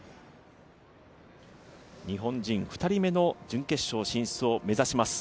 日本人２人目の準決勝進出を目指します。